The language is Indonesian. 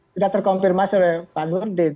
tidak terkonfirmasi oleh pak nur